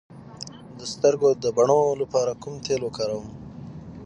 د سترګو د بڼو لپاره کوم تېل وکاروم؟